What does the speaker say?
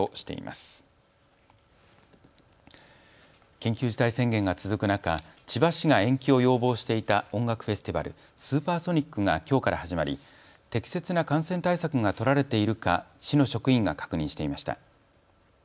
緊急事態宣言が続く中、千葉市が延期を要望していた音楽フェスティバル、スーパーソニックがきょうから始まり適切な感染対策が取られているか市の職員が確認していました。